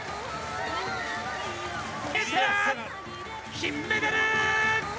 金メダル！